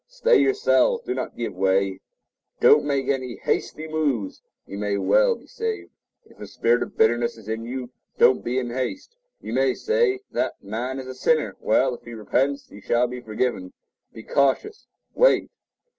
Stay yourselves; do not give way; don't make any hasty moves, you may be saved. If a spirit of bitterness is in you, don't be in haste. You may say, that man is a sinner. Well, if he repents, he shall be forgiven. Be cautious: await.